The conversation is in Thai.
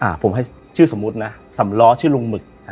ผมให้ชื่อสมมุตินะสำล้อชื่อลุงหมึก